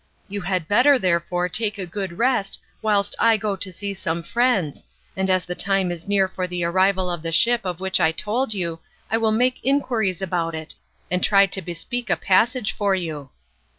You had better therefore take a good rest whilst I go to see some friends, and as the time is near for the arrival of the ship of which I told you I will make inquiries about it, and try to bespeak a passage for you."